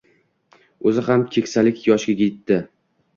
O`zi ham keksalik yoshiga etdi